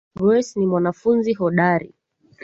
Grace ni mwanafunzi hodari